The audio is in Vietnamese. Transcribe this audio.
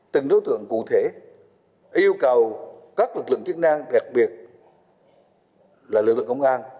từng đối tượng cụ thể yêu cầu các lực lượng chức năng đặc biệt là lực lượng công an